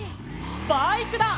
バイクだ！